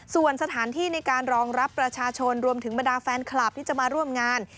ส่วนสถานที่ในการรองรับประชาชนรวมถึงบรรดาแฟนคลับที่จะมาร่วมงาน